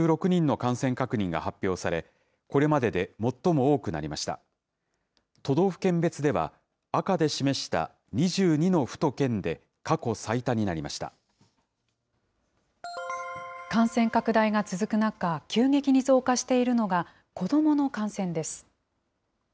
感染拡大が続く中、急激に増加しているのが子どもの感染です。